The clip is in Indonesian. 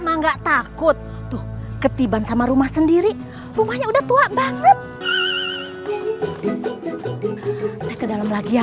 enggak takut tuh ketiban sama rumah sendiri rumahnya udah tua banget ke dalam lagi yang